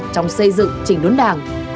trong xây dựng đảng